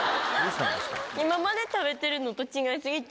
今まで食べてるのと違い過ぎて。